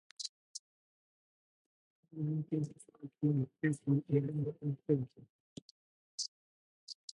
Because he underwent death without being guilty of any iniquity.